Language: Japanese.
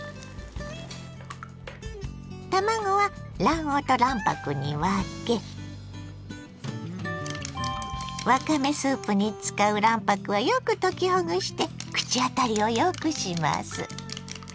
卵は卵黄と卵白に分けわかめスープに使う卵白はよく溶きほぐして口当たりをよくします。